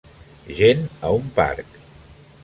Gent a un parc